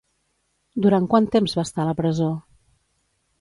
Durant quant temps va estar a la presó?